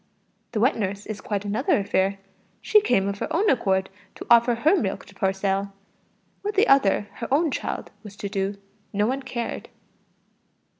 The wet nurse is quite another affair; she came of her own accord to offer her milk for sale. What the other her own child was to do, no one cared.